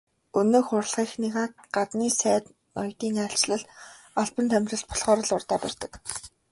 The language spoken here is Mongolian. Өнөөх урлагийнхныгаа гаднын сайд ноёдын айлчлал, албан томилолт болохоор л урдаа барьдаг.